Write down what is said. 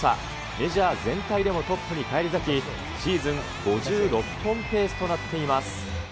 メジャー全体でもトップに返り咲き、シーズン５６本ペースとなっています。